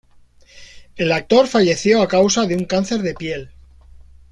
El actor falleció a causa de un cáncer de piel.